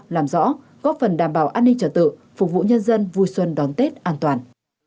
làm rõ góp phần đảm bảo an ninh trật tự phục vụ nhân dân vui xuân đón tết an toàn